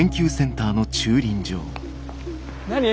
何？